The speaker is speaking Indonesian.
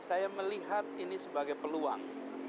saya melihat ini sebagai peluang